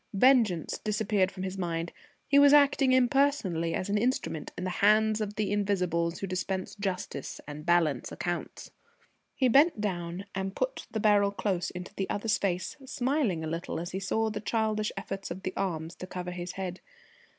Vengeance disappeared from his mind. He was acting impersonally as an instrument in the hands of the Invisibles who dispense justice and balance accounts. He bent down and put the barrel close into the other's face, smiling a little as he saw the childish efforts of the arms to cover his head.